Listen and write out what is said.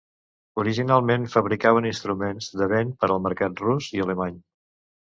Originalment fabricaven instruments de vent per al mercat rus i alemany.